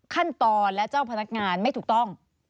ขั้นตอนและเจ้าพนักงานไม่ถูกต้อง